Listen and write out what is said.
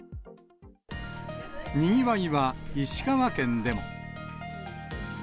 にぎわいは石川県でも。